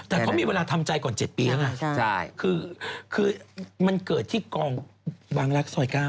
แต่เขามีเวลาทำใจก่อน๗ปีแล้วนะครับคือมันเกิดที่กองวังลักษณ์สอยก้าว